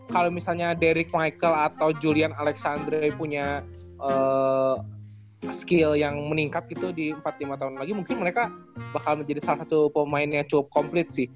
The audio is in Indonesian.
kalau misalnya deric michael atau julian alexandra punya skill yang meningkat gitu di empat lima tahun lagi mungkin mereka bakal menjadi salah satu pemain yang cukup komplit sih